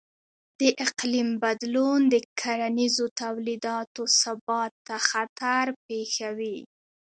د اقلیم بدلون د کرنیزو تولیداتو ثبات ته خطر پېښوي.